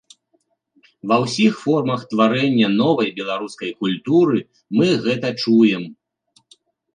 Ва ўсіх формах тварэння новай беларускай культуры мы гэта чуем.